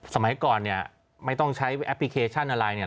สมัยก่อนเนี่ยไม่ต้องใช้แอปพลิเคชันอะไรเนี่ย